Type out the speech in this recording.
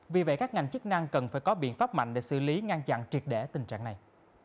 vì vậy các ngành chức năng cần phải có biện pháp mạnh để xử lý ngăn chặn triệt để tình trạng này